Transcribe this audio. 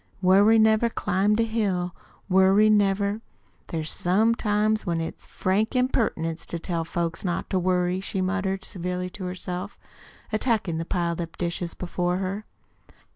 "Worry never climbed a hill, Worry never There's some times when it's frank impertinence to tell folks not to worry," she muttered severely to herself, attacking the piled up dishes before her.